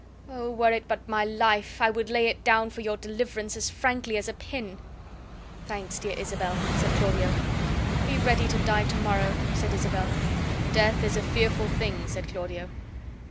Oh, were it but my life, I would lay it down for your deliverance as frankly as a pin!" "Thanks, dear Isabel," said Claudio. "Be ready to die to morrow," said Isabel. "Death is a fearful thing," said Claudio.